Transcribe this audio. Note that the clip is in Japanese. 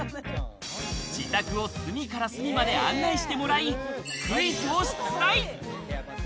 自宅を隅から隅まで案内してもらい、クイズを出題。